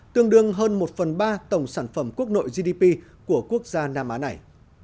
tương đương hơn một phần ba tổng sản phẩm quốc nội gdp của quốc gia nam á này